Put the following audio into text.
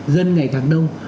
dân ngày càng đông